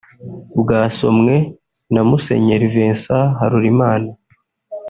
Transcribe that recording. bwasomwe na Musenyeri Vincent Halorimana